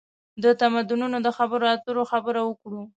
د تمدنونو د خبرواترو خبره وکړو.